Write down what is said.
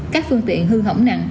các phương tiện hư hỏng nặng